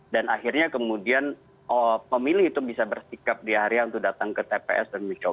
dan akhirnya kemudian pemilih itu bisa bersikap di area untuk datang ke tps dan mencoba